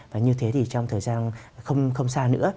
và như thế thì trong thời gian không xa nữa